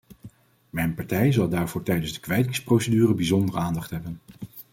Mijn partij zal daarvoor tijdens de kwijtingsprocedure bijzondere aandacht hebben.